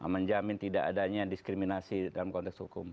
menjamin tidak adanya diskriminasi dalam konteks hukum